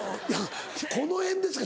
「この辺ですか」